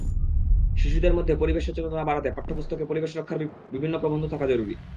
শিশুদের মধ্যে পরিবেশ সচেতনতা বাড়াতে পাঠ্যপুস্তকে পরিবেশ রক্ষার বিভিন্ন প্রবন্ধ থাকা জরুরি।